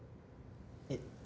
えっ？